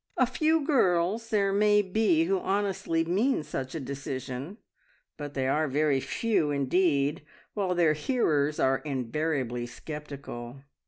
A few girls there may be who honestly mean such a decision, but they are very few indeed, while their hearers are invariably sceptical.